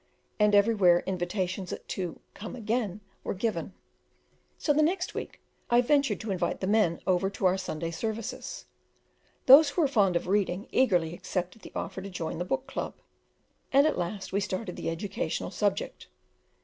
and everywhere invitations to "come again" were given; so the next week I ventured to invite the men over to our Sunday services. Those who were fond of reading eagerly accepted the offer to join the book club, and at last we started the educational subject.